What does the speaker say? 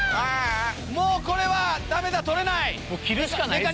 もうこれはダメだ取れない！